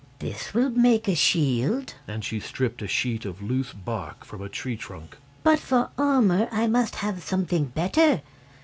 "This will make a shield," and she stripped a sheet of loose bark from a tree trunk, "but for armor I must have something better.